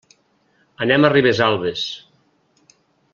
Anem a Ribesalbes.